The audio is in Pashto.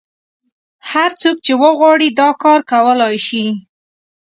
هر څوک چې وغواړي دا کار کولای شي.